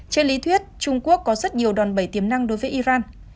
trên lý thuyết trung quốc có rất nhiều đòn bẩy tiềm năng đối với iran